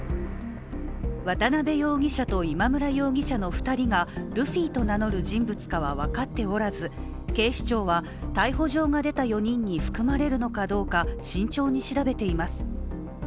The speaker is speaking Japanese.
渡辺容疑者と今村容疑者の２人がルフィと名乗る人物かは分かっておらず警視庁は、逮捕状が出た４人に含まれるのかどうか慎重に調べています。